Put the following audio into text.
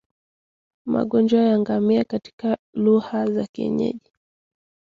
Magonjwa ya ngamia katika lugha za kienyeji